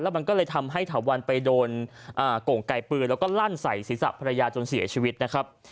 มันก็เลยทำให้ถาวันไปโดนโก่งไก่ปืนแล้วก็ลั่นใส่ศีรษะภรรยาจนเสียชีวิตนะครับ